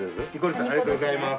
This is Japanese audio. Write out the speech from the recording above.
ありがとうございます。